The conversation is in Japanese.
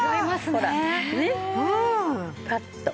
ほらねっパッと。